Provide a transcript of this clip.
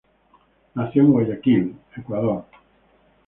Nació en Guayaquil, Ecuador.